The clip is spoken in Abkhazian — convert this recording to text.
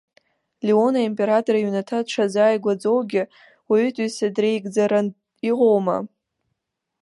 Леон аимператор иҩнаҭа дшазааигәаӡоугьы, уаҩытәыҩса дреигӡаран иҟоума.